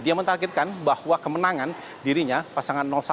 dia menargetkan bahwa kemenangan dirinya pasangan satu